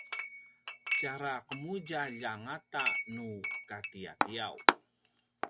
tjara qemudjalj a ngata nu katiatiaw